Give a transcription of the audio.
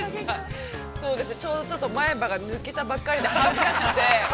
◆そうですね、ちょうど前歯が抜けたばっかりで恥ずかしくて。